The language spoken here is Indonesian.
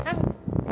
udah dong kim